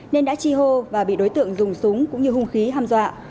nên đã chi hô và bị đối tượng dùng súng cũng như hung khí ham dọa